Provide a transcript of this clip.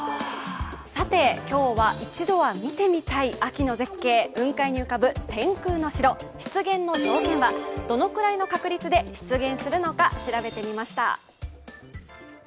さて今日は一度は見てみたい秋の絶景、雲海に浮かぶ天空の城出現の条件、どのぐらいの確率で出現するか、調べてみました。